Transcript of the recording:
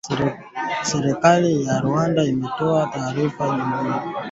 Serikali ya Rwanda imetoa taarifa jumanne ikitaja madai hayo